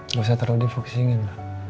gak usah taro di fokusingan